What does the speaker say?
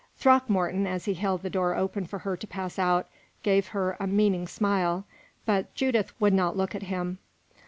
Throckmorton, as he held the door open for her to pass out, gave her a meaning smile; but Judith would not look at him.